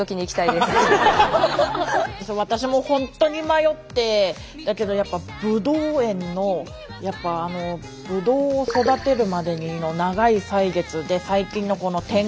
私も本当に迷ってだけどやっぱぶどう園のやっぱあのぶどうを育てるまでの長い歳月で最近のこの天候。